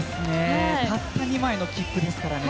たった２枚の切符ですからね。